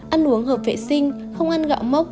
ăn uống hợp vệ sinh không ăn gạo mốc